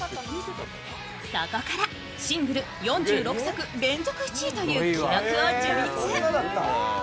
そこからシングル４６作連続１位という記録を樹立。